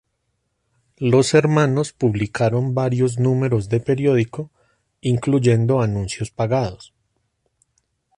Los hermanos publicaron varios números del periódico, incluyendo anuncios pagados.